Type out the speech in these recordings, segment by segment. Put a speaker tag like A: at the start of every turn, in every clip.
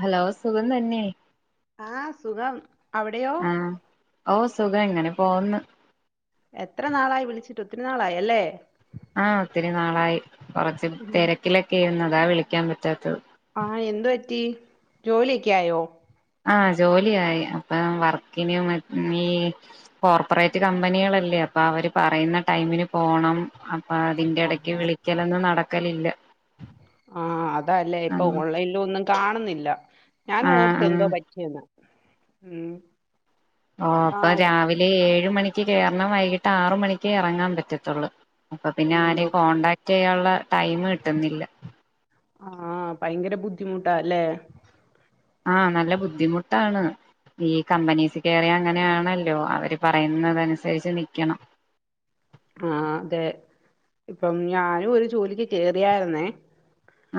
A: Hello സുഖം തന്നെ.
B: ആ സുഖം അവിടെയോ?
A: ആഹ് ഓ സുഖം ങ്ങനെ പോന്ന്.
B: എത്ര നാളായി വിളിച്ചിട്ട് ഒത്തിരി നാളായല്ലേ?
A: ആ ഒത്തിരി നാളായി കൊറച്ച്
B: ഉം
A: തെരക്കിലൊക്കെര്ന്നു അതാ വിളിക്കാൻ പറ്റാത്തത്.
B: ആ എന്ത് പറ്റി ജോലിയൊക്കെ ആയോ
A: ആ ജോലിയായി അപ്പം വർക്കിന് മ ഈ കോർപ്പറേറ്റ് കമ്പനികളല്ലേ? അപ്പൊ അവര് പറയുന്ന ടൈമിന് പോണം. അപ്പ അതിന്റെ ഇടക്ക്
B: ആഹാ
A: വിളിക്കലൊന്നും നടക്കലില്ല
B: ആ അതാല്ലേ ഇപ്പൊ
A: ആഹ്
B: ഓൺലൈനൊന്നും കാണുന്നില്ല. ഞാനും ഓർത്ത്
A: ആഹ് ആഹ്
B: എന്തോ പറ്റിയന്ന് ഉം
A: ആ അപ്പൊ
B: ആഹ്
A: രാവിലെ ഏഴ് മണിക്ക് കേ റണം വൈകിട്ട് ആറ് മണിക്കേ എറങ്ങാൻ പറ്റത്തുള്ളൂ അപ്പൊ പിന്നെ ആരേം
B: അയ്യോ
A: കോണ്ടാക്ട് ചെയ്യാനുള്ള ടൈം കിട്ടുന്നില്ല
B: ആഹ ഭയങ്കര ബുദ്ധിമുട്ടാ ല്ലേ
A: ആഹ നല്ല ബുദ്ധിമുട്ടാണ് ഈ കമ്പനീസ് കയറിയ അങ്ങനേണല്ലോ അവര് പറയുന്നതനുസരിച് നിക്കണം
B: [inaudible] ആഹ അതെ ഇപ്പം ഞാനും ഒരു ജോലിക്ക് കയറിയായിരുന്നേ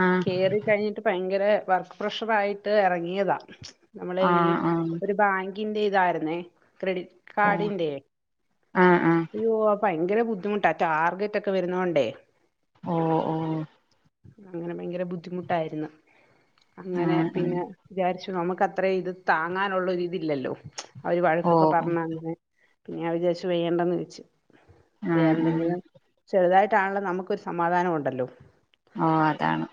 A: ആഹ്
B: കേറി കഴിഞ്ഞിട്ട് ഭയങ്കര വർക്ക് പ്രഷറായിട്ട് എറങ്ങിയതാ നമ്മളെ ഈ
A: ആഹ് ആഹ്
B: ഒരു ബാങ്കിന്റെ ഇതായിരുന്നേ ക്രെെഡിറ്റ്
A: ഓ
B: കാർഡിന്റെറെ
A: ആഹ് ആഹ്
B: അയ്യോ ഭയങ്കര ബുദ്ധിമുട്ടാ ടാർഗറ്റ് ഒക്കെ വരുന്നോണ്ടേ
A: ഓ ഓ
B: അങ്ങനെ ഭയങ്കര ബുദ്ധിമുട്ടായിരുന്നു അങ്ങനെ
A: ആഹ് ആഹ്
B: പിന്നെ വിചാരിച്ച നമുക്ക് അത്ര ഇത് താങ്ങാനുള്ളൊരിതില്ലല്ലോ അവര് ഒരു
A: ഓ
B: വഴക്കൊക്കെ
A: ഓ
B: പറഞ്ഞ അങ്ങനെ പിന്നെ ഞാൻ വിചാരിച്ച് വേണ്ടെന്ന് വെച്ച്
A: ആഹ് ആഹ്
B: വേറെന്തെങ്കിലും ചെറുതായിട്ട് നമുക്ക ഒരു സമാധാനം ഉണ്ടല്ലോ
A: ഓ അതാണ്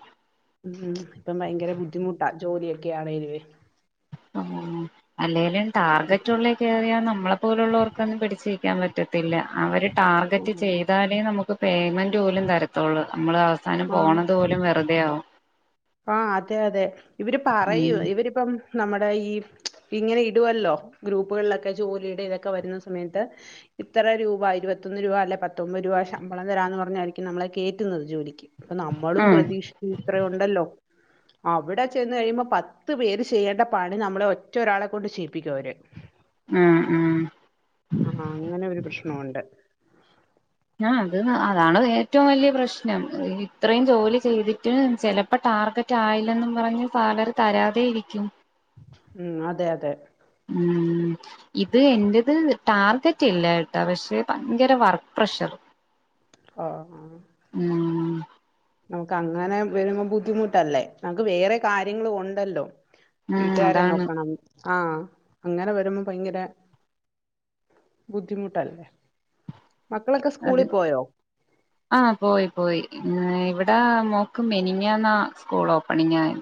B: ഹ്മ്മ് ഇപ്പം ഭയങ്കര ബുദ്ധിമുട്ടാ ജോലിയൊക്കെയവരുവെ
A: ആ അല്ലേലും ടാർഗറ്റുള്ളേ കേറിയാ നമ്മളെ പോലുള്ളവർക്കൊന്നും പിടിച്ചിരിക്കാൻ പറ്റത്തില്ല അവര് ടാർഗറ്റ് ചെയ്താലേ നമുക്ക് പേയ്മെന്റ് പോലും തരത്തുള്ളൂ നമ്മള് അവസാനം പോണതു പോലും വെറുതെ ആകും
B: ആഹ അതെ അതെ ഇവര്
A: ഉം
B: പറയൂ ഇവരിപ്പം നമ്മുടെ ഈ ഇങ്ങനെ ഇടുവല്ലോ ഗ്രൂപ്പുകളിലൊക്കെ ജോലിയുടെ ഇതൊക്കെ വരുന്ന സമയത്ത് ഇത്ര രൂപ ഇരുപത്തൊന്ന് രൂപ അല്ലെ പത്തൊമ്പത് രൂപ ശമ്പളം തരാന്ന് പറഞ്ഞായിരിക്കും നമ്മളെ കയറ്റുന്നത് ജോലിക്ക് അപ്പൊ നമ്മളും
A: ആഹ്
B: പ്രതീക്ഷിക്കും ഇത്രുണ്ടല്ലോ അവിടെ ചെന്ന് കഴിയുമ്പോ പത്ത് പേര് ചെയ്യേണ്ട പണി നമ്മളെ ഒറ്റ ഒരാളെ കൊണ്ട് ചെയ്യിപ്പിക്കും അവര്
A: ഉം ഉം
B: ആഹ അങ്ങനെ ഒരു പ്രശ്നവുണ്ട്
A: ആ അത് അതാണ് ഏറ്റവും വലിയ പ്രശ്നം ഇത്രയും ജോലി ചെയ്തിട്ട് ചെലപ്പോ ടാർഗറ്റ് ആയില്ലെന്നും പറഞ് സാലറി തരാതെ ഇരിക്കും
B: ഉം അതെ അതെ
A: ഉം ഇത് എന്റത് ടാർഗറ്റ് ഇല്ല ട്ടാ പക്ഷെ ഭയങ്കര വർക്ക് പ്രഷർ
B: ആ
A: ഉം
B: നമുക്ക് അങ്ങനെ വരുമ്പോ ബുദ്ധിമുട്ടല്ലേ നമുക്ക് വേറെ കാര്യങ്ങളും ഉണ്ടല്ലോ
A: ഉം
B: വീട്ടുകാരെ
A: അതാണ്
B: നോക്കണം ആ അങ്ങനെ വരുമ്പോ ഭയങ്കര ബുദ്ധിമുട്ടല്ലേ മക്കളൊക്കെ
A: അത്
B: സ്കൂളിൽ പോയോ
A: ആ പോയി പോയി ഇവിടെ മോക്കും മെനിഞാന്നാ സ്കൂൾ ഓപ്പണിംങ്ങായ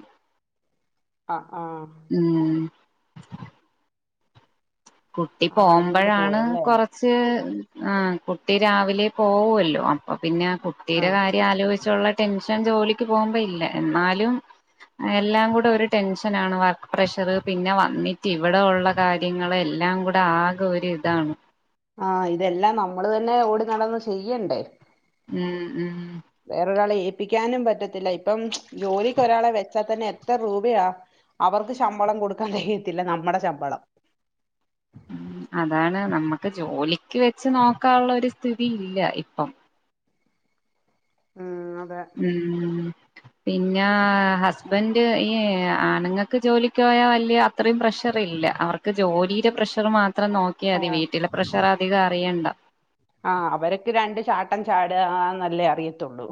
B: അ ആ
A: കുട്ടി
B: ആഹ് അതുകൊണ്ട്
A: പോമ്പോഴാണ്
B: പോയല്ലേ
A: കൊറച്ച് ആ കുട്ടി രാവിലെ പോവൊല്ലോ അപ്പൊ പിന്നെ കുട്ടിയുടെ
B: ആഹ്
A: കാര്യം ആലോചി കുറിച്ചുള്ള ടെൻഷൻ ജോലിക്ക് പോകുമ്പോ ഇല്ല എന്നാലും എല്ലാം കൂടെ ഒരു ടെൻഷനാണ് വർക്ക് പ്രഷറ് പിന്നെ വന്നിട്ട് ഇവിടെ ഉള്ള കാര്യങ്ങളെല്ലാം എല്ലാം കൂടെ ആ
B: ആ ഇതെല്ലാം നമ്മള് തന്നെ ഓടി നടന്ന് ചെയ്യണ്ടേ
A: ഉം ഉം
B: വേറൊരാളെ ഏപ്പിക്കാനും പറ്റത്തില്ല, ഇപ്പം ജോലിക്ക് ഒരാളെ വെച്ചാ തന്നെ എത്ര രൂപയാ അവർക്ക് ശമ്പളം കൊടുക്കാൻ തെകയത്തില്ല, നമ്മടെ ശമ്പളം
A: ഉം അതാണ് നമ്മക്ക് ജോലിക്ക് വെച്ച് നോക്കാള്ള ഒരു സ്ഥിതി ഇല്ല ഇപ്പം
B: ഉം അതെ
A: ഉം പിന്നെ ഹസ്ബൻഡ് ഈ ആണുങ്ങക്ക് ജോലിക്ക് പോയാൽ വല്യ അത്രയും പ്രഷർ ഇല്ല, അവർക്ക് ജോലിലെ പ്രഷർ മാത്രം നോക്കിയാതി,
B: ആഹ്
A: വീട്ടിലെ പ്രഷർ അധികം അറിയണ്ട
B: ആ അവര്ക്ക് രണ്ട് ചാട്ടം ചാട് ആ ന്നല്ലേ അറിയത്തുള്ളൂ.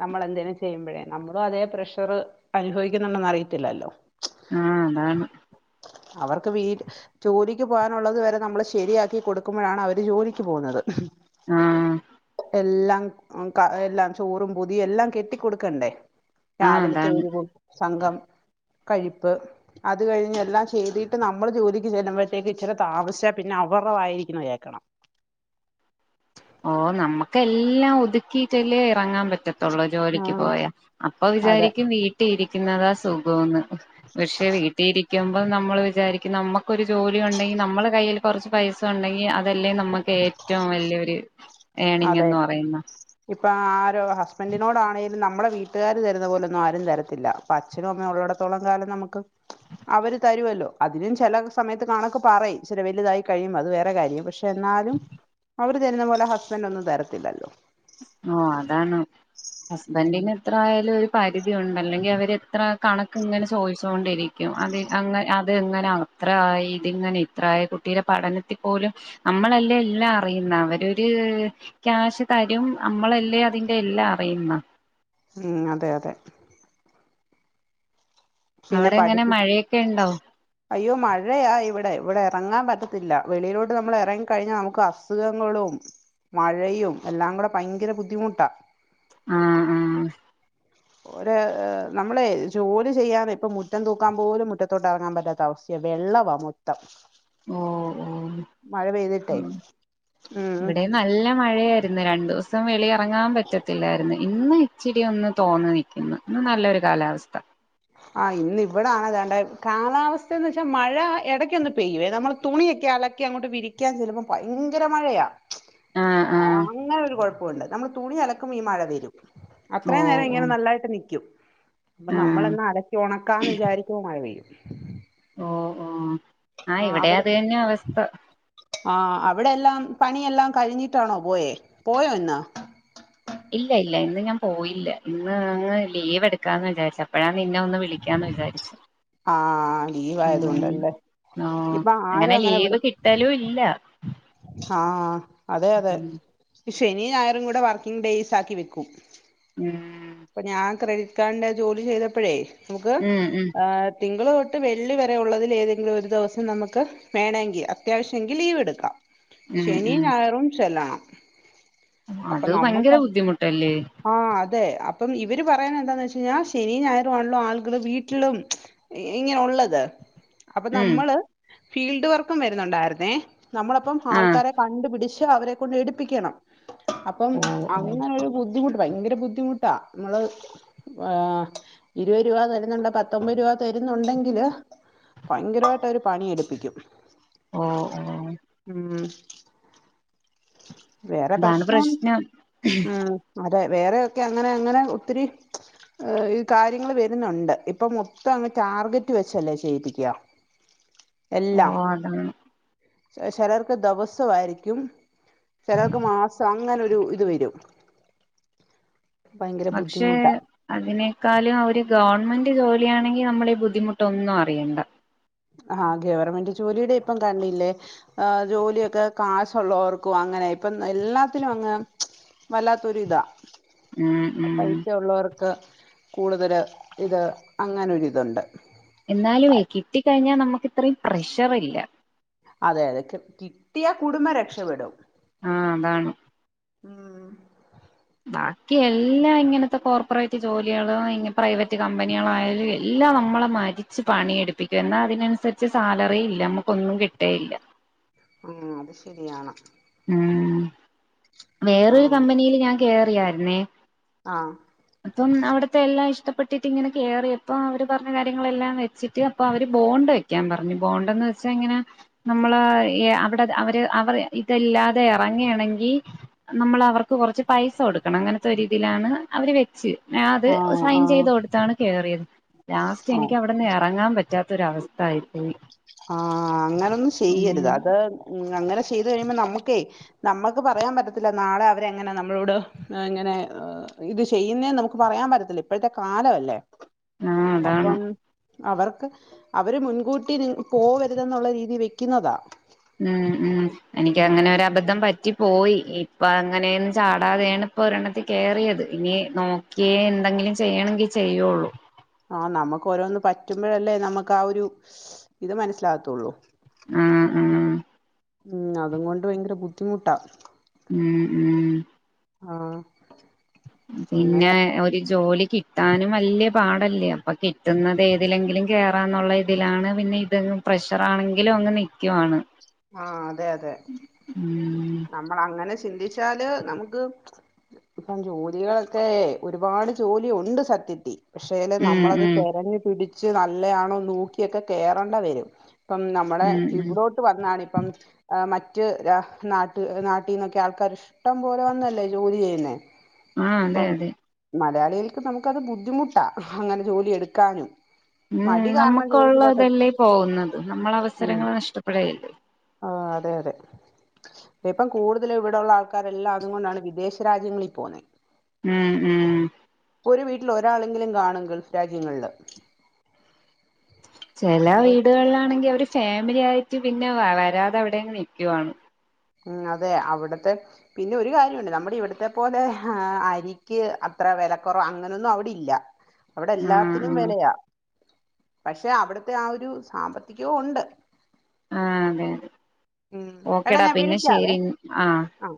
B: നമ്മൾ എന്തേും ചെയ്യുമ്പോ നമ്മളും അതേ പ്രഷർ അനുഭവിക്കുന്നുണ്ടന്ന്‌ അറിയത്തില്ലല്ലോ
A: ആ അതാണ്
B: അവർക്ക് വീ ജോലിക്ക് പോകാനുള്ളത് വരെ നമ്മള് ശരിയാക്കി കൊടുക്കുമ്പോഴാണ് അവര് ജോലിക്ക് പോവുന്നത്
A: ആ
B: എല്ലാം ഒ ക എല്ലാം ചോറും പുതിയും എല്ലാം കെട്ടിക്കൊടുക്കണ്ടേ
A: ആഹ്
B: രാവിലത്തെ
A: അതാണ്
B: ഒരു കൂ സംഘം കഴിപ്പ്, അത് കഴിഞ്ഞ് എല്ലാം ചെയ്തിട്ട് നമ്മൾ ജോലിക്ക് ചെല്ലുമ്പോഴത്തേക്ക് ഇച്ചിര താമസിച്ച പിന്ന [inaudible] അവർ ടെവായിരിക്കുന്ന കേക്കണം
A: ഓ നമ്മക്ക് എല്ലാം ഒതുക്കിയിട്ടല്ലേ ഇറങ്ങാൻ പറ്റ ത്തുള്ള
B: ആ
A: ജോലിക്ക് പോയാ അപ്പൊ
B: അതെ
A: വിചാരിക്കും വീട്ടിൽ ഇരിക്കുന്നതാ സുഗോന്ന്‌ പക്ഷെ വീട്ടിൽ ഇരിക്കുമ്പോൾ നമ്മൾ വിചാരിക്കും നമ്മുക്കൊരു ജോലി ഉണ്ടെങ്കി നമ്മള് കയ്യില് കുറച്ച് പൈസ ഉണ്ടെങ്കിൽ അതല്ലേ നമ്മക്ക് ഏറ്റവും വല്യോരു ഏണിങ്ങന്ന് പറയുന്ന
B: ഇപ്പ ആരൊ ഹസ്ബൻന്റിനോടാണെ നമ്മളെ വീട്ടുകാര് തരുന്ന പോലൊന്നും ആരും തരത്തില്ല. പ്പൊ അച്ഛനും അമ്മേം ഉള്ളടത്തോളം കാലം നമുക്ക് അവര് തരുവല്ലോ, അതിനും ചെല സമയത്ത് കണക്ക് പറയും, ച്ചിരി വലുതായി കഴിയുമ്പോ, അത് വേറെ കാര്യം, പക്ഷെ എന്നാലും അവര് തരുന്ന പോലെ ഹസ്ബൻൻ്റൊന്നും തരത്തില്ലല്ലോ
A: ഓ അതാണ്,
B: ഉം
A: ഹസ്ബൻന്റിന് എത്ര ആയാലും ഒരു പരിധിയ ഉണ്ട അല്ലെങ്കിൽ അവര്ത്ര കണക്ക് ഇങ്ങനെ ചോദിചോണ്ടിരിക്കും അത് അെ [unintelligible] അത് എങ്ങന ഇത്ര ആ ഇതിങ്ങനെ ഇത്രായ കുട്ടിയുടെ പഠനത്തിൽ പോലും നമ്മളല്ലേ എല്ലാം അറിയുന്ന അവരരു ക്യാഷ് തരും നമ്മളല്ലേ അതിന്റെ എല്ലാം അറിയുന്ന
B: ഉം അതെ അതെ പിന്നെ
A: അവിടെ എങ്ങനെ
B: പഠിപ്പിക്കും
A: മഴയൊക്കെ ഉണ്ടോ
B: അയ്യോ മഴയാ ഇവിടെ ഇവിടെ ഇറങ്ങാൻ പറ്റത്തില്ല വെളിയിലോട്ട് നമ്മൾ ഇറങ്ങി കഴിഞ്ഞാൽ നമുക്ക് അസുഖങ്ങളും മഴയും എല്ലാം കൂടെ ഭയങ്കര ബുദ്ധിമുട്ടാ
A: ആഹ് ആഹ
B: ഒര് നമ്മളെ ജോലി ചെയ്യാൻ ഇപ്പൊ മുറ്റം തൂക്കാൻ പോലും മുറ്റത്തോട്ടിറങ്ങാൻ പറ്റാത്ത അവസ്ഥയ വെള്ളവാ മൊത്തം
A: ഓ ഓ
B: മഴ പെയ്തിട്ടേ
A: ഉം
B: ഉം
A: ഇവിടെ നല്ല മഴയ ന്ന് രണ്ടു ദിവസം വെളി ഇറങ്ങാൻ പറ്റത്തില്ലായിരുന്നു ഇന്ന് ച്ചിരി ഒന്ന് തോന്നു നൽക്കുന്നു ഇന്ന് നല്ലൊരു കാലാവസ്ഥ
B: ആഹ ഇന്ന് ഇവിടാണ്താണ്ട കാലാവസ്ഥന്ന് വെച്ചാൽ മഴ ഇടക്ക ഒന്ന് പെയ്യവേ നമ്മൾ തുണി [inaudible] അലക്കി അങ്ങോട്ട് വിരിക്കാൻ ചെല്ലുമ്പോ ഭയങ്കര മഴയാ
A: ആഹ്
B: ആ
A: ആഹ്
B: അങ്ങനെ ഒരു കുഴപ്പവുണ്ട്. നമ്മൾ തുണി അലക്കുമ്പോ ഈ മഴ വരും
A: ഓ
B: അത്രേം നേരം
A: ഓ
B: ഇങ്ങനെ നല്ലായിട്ട് നിക്കും പ്പൊ
A: ആഹ്
B: നമ്മളഎന്നാ അലക്കി ഉണക്കാന്ന് വിചാരിക്കുമ്പ മഴ പെയ്യും
A: ഓ ഓ ആ ഇവിടെ അത് തന്നെ അവസ്ഥ
B: ആ അവിടെ എല്ലാം പണിയെല്ലാം കഴിഞ്ഞിട്ടാണോ പോയേ? പോയോ ഇന്ന്?
A: ഇല്ല ഇല്ല ഇന്ന് ഞാൻ പോയില്ല, ഇന്ന് അങ്ങ് ലീവ് എടുക്കാന്ന് വിചാരിച്ച് അപ്പഴാ നിന്നെ ഒന്ന് വിളിക്കാന്ന് വിചാരിച്ച്
B: ആഹ്
A: ഉം,
B: ലീവായതുകൊണ്ടല്ലേ
A: ആ,
B: ഇപ്പൊ ആരും
A: അങ്ങനെ
B: വിളി
A: ലീവ് കിട്ടലുംല്ല.
B: ആ ആ അതേ അതേ, ഇശെനീ, ഞായറുങ്കൂടെ വർക്കിങ്ങ് ഡേയ്സാക്കി വെക്കും
A: ഉം
B: പ്പ ഞാൻ ക്രെഡിറ്റ് കാർഡിന്റെ ജോലി ചെയ്തപ്പോഴേ നമുക്ക്
A: ഉം
B: ആ തിങ്കള് തൊട്ട് വെള്ളി വരെ ഉള്ളതിൽ ഏതെങ്കിലും ഒരു ദിവസം നമുക്ക് വേണേങ്കിൽ അത്യാവശ്യംങ്കിൽ ലീവ് എടുക്കാം.
A: ഉം ഉം ഉം
B: ശനിംഞായറും ചെല്ലണം അപ്പം
A: അത് ഭയങ്കര
B: നമ്മുക്ക്
A: ബുദ്ധിമുട്ടല്ലേ
B: ആ അതെ- പ്പം ഇവര് പറയന്ന എന്താന്ന് വെച്ച് കഴിഞ്ഞാൽ ശെനിംഞായറും ആണല്ലോ ആളുകള് വീട്ടിലും, ഇങ്ങനെ ഉള്ളത്. അപ്പൊ
A: ഉം
B: നമ്മള് ഫീൽഡ് വർക്കും വരുന്നുണ്ടായിരുന്നേ നമ്മളപ്പം
A: ആഹ്
B: ആൾക്കാരെ കണ്ടുപിടിച്ച് അവരെ കൊണ്ട് എടുപ്പിക്കണം അപ്പം
A: ഓ ഓ
B: അങ്ങനെ ഒരു ബു- ദ്ധിമുട്ട് ഭയങ്കര ബുദ്ധിമുട്ടാ. മ്മള് ഇരുപത് രൂപ തരുന്നുണ്ട് പത്തൊമ്പത് രൂപ തരുന്നുണ്ടെങ്കില് ഭയങ്കരായിട്ട് അവര് പണിയെടുപ്പിക്കും
A: ഓ -ഓ-
B: ഉം, വേറെ പ്രശ്നം ഒന്നും വേറെഒക്കെ അങ്ങനെ അങ്ങനെ ഒത്തിരി - കാര്യങ്ങൾ വരുന്നുണ്ട് ഇപ്പം മൊത്തം അങ്ങ്- ടാർഗറ്റ് വെച്ചല്ലേ ചെയ്പിക്ക
A: ഓ അതാണ്
B: ചിലർക്ക് ദിവസായിരിക്കും ചിലർക്ക് മാസം അങ്ങനൊരു ഒരു ഇത് വരും ഭയങ്കര
A: പക്ഷേ
B: ബുദ്ധിമുട്ടാ
A: അതിനേക്കാലും അവര് ഗവൺമെന്റ് ജോലിയാണെങ്കിൽ നമ്മള്ഈ ബുദ്ധിമുട്ടൊന്നും അറിയണ്ട
B: ആഹ ഗവർമെന്റ്ജോലിയുടെ ഇപ്പം കണ്ടില്ലേ ആജോലിയൊക്കെ കാശുള്ളോർക്കും അങ്ങനെ ഇപ്പം എല്ലാത്തിനും അങ്ങ് വല്ലാത്തൊരു ഇതാ
A: ഉം ഉം
B: പൈസ ഉള്ളോർക്ക് കൂടുതല് ഇത് അങ്ങനൊരിതുണ്ട്
A: എന്നാലും ഇകിട്ടിക്കഴിഞ്ഞാൽ നമുക്ക് ഇത്രയും പ്രഷർഇല്ല
B: അതെ യതെ കിട്ടിയ കുടുംബം രക്ഷപ്പെടും
A: ആ അതാണ്.
B: ഉം,
A: ബാക്കി എല്ലാ ഇങ്ങനത്തെ കോർപ്പറേറ്റ് ജോലികളാ പ്രൈവറ്റ് കമ്പനികള - ല്ല നമ്മളെമരിച്ച് പണിയടുപ്പിക്കും എന്നാ അതിനനുസരിച്ച് സാലറി ഇല്ല നമ്മുക്കൊന്നും കിട്ടേയില്ല.
B: ഉം, അത് ശരിയാണ്.
A: ഉം,
B: ആ
A: വേറൊരു കമ്പനിയിൽ ഞാൻ കേറിയായിരന്നേ..
B: ആഹ?
A: അപ്പം അവിടുത്തെ എല്ലാം ഇഷ്ടപ്പെട്ടിട്ട് ഇങ്ങനെ കേറിയപ്പോ അവര് പറഞ്കാര്യങ്ങളെല്ലാം വെച്ചിട്ട് അപ്പം അവര് ബോണ്ട് വക്കാൻ പറഞ്ഞു ബോണ്ടന്ന് വെച്ചങ്ങനെ നമ്മളായ അവടെ അവര് അവറ് ഇ- ഇതെല്ലാതെ എറങ്ങി ആണങ്കി നമ്മൾ അവർക്ക് കൊറച്ച് പൈസ കൊടുക്കണം അങ്ങനത്തെ രീതിയിലാണ് അവര് വെച്ച് ഞാൻ അത്
B: ആ ആ
A: സൈൻ ചെയ്ത് കൊടുത്താണ് കേയറിയ ലാസ്റ്റ്
B: ആ
A: എനിക്ക് അവിടുന്ന് എറങ്ങാൻ പ റ്റാത്തൊ രഅവസ്ഥ ആയി പോയി
B: ആ.. അങ്ങനൊന്നും ചെയ്യരുത്
A: ഉം
B: അത് അ് അങ്ങനെ ഇത് നമുക്കേയ് നമ്മുക്ക് പറയാൻ പറ്റത്തില്ല നാളെ അവരെങ്ങനെ നമ്മളോട് ഇങ്ങനെ ഇ്.. ഇത് ചെയ്യുന്നേന്ന് നമുക്ക് പറയാൻ പറ്റത്തില്ല ഇപ്പോഴത്തെ കാലം ല്ലേ
A: ആ.. അതാണ്
B: അവർക്ക് അവര് മുൻകൂട്ടി ഇ പോവരുതെന്നുള്ള രീതി വെക്കുന്നതാ
A: ഉം, ഉം, എനിക്ക്
B: ഉം
A: അങ്ങനെ
B: ഉം
A: ഒരബദ്ധം പറ്റി പോയി പ്പ അങ്ങനെയൊന്നും ചാടാതെയാണ് ഇപ്പൊരെണ്ണത്തിൽ കേറിയത് ഇനി നോക്കിയ ന്തെങ്കിലും ചെയ്യണെങ്കിൽ ചെയ്യെളൂ.
B: ആഹ് നമുക്ക് ഓരോന്ന് പറ്റുമ്പഴല്ലേ നമുക്കാഒരു ഇത് മനസ്സിലാകത്തൊള്ളൂ
A: ആ, ആ, ആ, ആ-
B: ഉം, അതും കൊണ്ട് ഭയങ്കര ബുദ്ധിമുട്ടാ..
A: ഉം ഉം
B: ആഹ് അങ്ങനെ
A: പിന്നെ ഒരു ജോലി കിട്ടി കിട്ടാനും വലിയ പാടല്ലേ അപ്പൊ കിട്ടുന്നത് ഏതിലെങ്കിലും കേറാന്നുള്ള ഇതിലാണ് പിന്നെ ഇത് പ്രഷർ ആണെങ്കിലും അങ്ങ് നിൽക്കുവാണ്
B: ആഹ് അതെ അതെ
A: ഉം
B: നമ്മൾ അങ്ങനെ ചിന്തിച്ചാല് നമുക്ക് ഇപ്പം ജോലികളൊക്കെ ഒരുപാട് ജോലി ഉണ്ട് സത്യത്തിൽ പക്ഷേല്
A: ഉം
B: നമ്മളത്
A: ഉം
B: തിരഞ്ഞു പിടിച്ച് നല്ലയാണോ നോക്കിയൊക്കെ കേയറേണ്ട വരും ഇപ്പം നമ്മുടെ
A: ഉം ഉം
B: ഇവിടോട്ട് വ അപ്പം മറ്റ് നാട്ട് നാട്ടിൽന്നൊക്കെ ആൾക്കാർ ഇഷ്ടം പോലെ വന്നല്ലേ ജോലി ചെയ്യുന്നേ
A: ആഹ് അതെ അതെ
B: പക്ക് നമുക്കത് ബുദ്ധിമുട്ടാ അങ്ങനെ ജോലിയ എടുക്കാനും
A: ഉം
B: മടി കാരണം ജോലിക്ക്
A: നമുക്കുള്ള
B: പോവാത്ത
A: ഇതല്ലേ പോകുന്നത് നമ്മളെ
B: ഉം
A: അവസരങ്ങൾ നഷ്ടപ്പെട
B: ആഹ് അതെ അതെ ഇപ്പം കൂടുതലും ഇവിടെള്ള ആൾക്കാരെല്ലാം അതും കൊണ്ടാണ് വിദേശ രാജ്യങ്ങളിൽ പോന്നുന്നത്
A: ഉം ഉം
B: ഒരു വീട്ടിൽ ഒരാളെങ്കിലും കാണും ഗൾഫ് രാജ്യങ്ങളില്
A: ചില വീടുകളിലാണെങ്കിൽ അവര് ഫാമിലി ആയിട്ട് പിന്നെ വരാതെ അവിടെയങ്ങ് നൽക്കുവാണ്
B: ഉം അതെ അവിടത്തെ പിന്നെ ഒരു കാര്യമുണ്ട് നമ്മുടെ ഇവിടത്തെ പോലെ ആ അരിക്ക് അത്ര വിലക്കുറവ അങ്ങനൊന്നും അവിടെ ഇല്ല അവിടെ
A: ആഹ്
B: എല്ലാത്തിനും
A: ആഹ്
B: വിലയാ പക്ഷെ അവിടുത്തെ ആ ഒരു സാമ്പത്തികവും ഉണ്ട്
A: ആഹ് അതെ അതെ
B: ഉം എടാ
A: ഓക്കെടാ
B: ഞാൻ
A: പിന്നെ
B: വിളിക്കാവേ
A: ശെരി ആഹ്
B: ആ